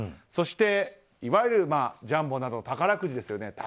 そして、いわゆるジャンボなど宝くじですよね。